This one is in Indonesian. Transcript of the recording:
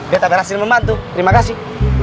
beta berhasil membantu terima kasih